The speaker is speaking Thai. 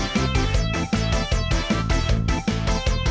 เลยมิดออกไปได้นะครับ